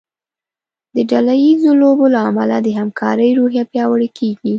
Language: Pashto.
د ډله ییزو لوبو له امله د همکارۍ روحیه پیاوړې کیږي.